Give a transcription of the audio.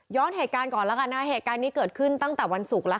ย้อนเหตุการณ์ก่อนล่ะการให้การนี้เกิดขึ้นตั้งแต่วันศุกร์แล้ว